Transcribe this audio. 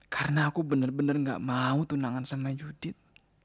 karena aku bener bener gak mau tunangan sama judit